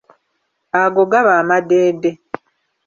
Ago gaba amadeede.